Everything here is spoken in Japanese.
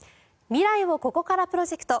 未来をここからプロジェクト。